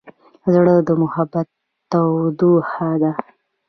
زړه د محبت تودوخه ده.